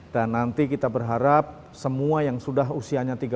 dan nanti kita berharap semua yang sudah usianya